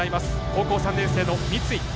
高校３年生の三井。